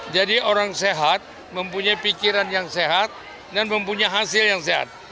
jadi orang sehat mempunyai pikiran yang sehat dan mempunyai hasil yang sehat